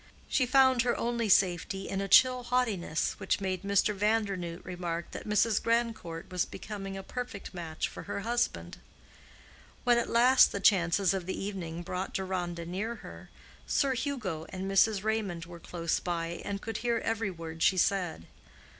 She found her only safety in a chill haughtiness which made Mr. Vandernoodt remark that Mrs. Grandcourt was becoming a perfect match for her husband. When at last the chances of the evening brought Deronda near her, Sir Hugo and Mrs. Raymond were close by and could hear every word she said.